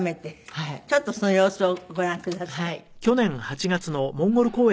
ちょっとその様子をご覧ください。